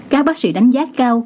các bác sĩ đánh giá cao